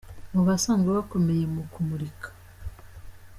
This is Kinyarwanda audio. mu basanzwe Bakomeye mu kumurika.